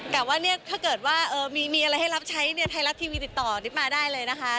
แต่ว่าเนี่ยถ้าเกิดว่ามีอะไรให้รับใช้เนี่ยไทยรัฐทีวีติดต่อนิดมาได้เลยนะคะ